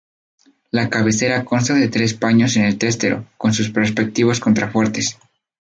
La cabecera consta de tres paños en el testero, con sus respectivos contrafuertes.